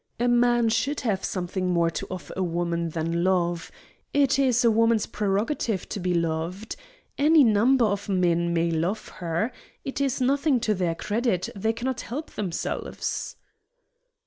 A man should have something more to offer a woman than love; it is a woman's prerogative to be loved. Any number of men may love her; it is nothing to their credit: they cannot help themselves."